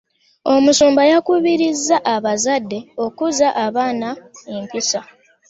Omusumba yakubiriza abazzadde okuza abaana empisa.